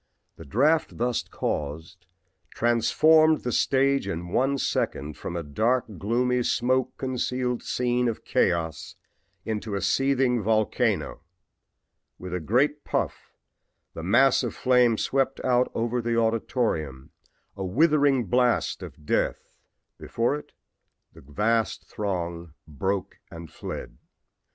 The draft thus caused transformed the stage in one second from a dark, gloomy, smoke concealed scene of chaos into a seething volcano. With a great puff the mass of flame swept out over the auditorium, a withering blast of death. Before it the vast throng broke and fled.